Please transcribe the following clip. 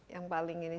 yang paling ini susah